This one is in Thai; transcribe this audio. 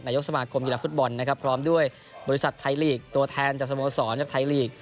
ยกสมาคมกีฬาฟุตบอลนะครับพร้อมด้วยบริษัทไทยลีกตัวแทนจากสโมสรจากไทยลีก